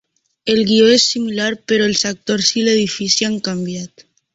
El guió és similar però els actors i l'edifici han canviat.